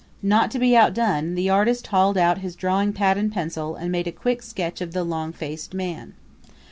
Not to be outdone the artist hauled out his drawing pad and pencil and made a quick sketch of the long faced man.